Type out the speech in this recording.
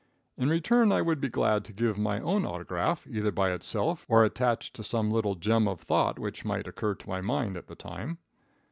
In return I would be glad to give my own autograph, either by itself or attached to some little gem of thought which might occur to my mind at the time.